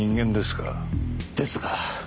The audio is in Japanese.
ですが。